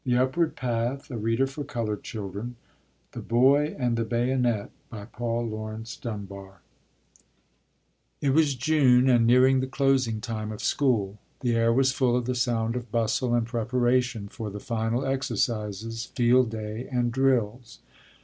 WASHINGTON THE UPWARD PATH THE BOY AND THE BAYONET PAUL LAURENCE DUNBAR It was June, and nearing the closing time of school. The air was full of the sound of bustle and preparation for the final exercises, field day, and drills.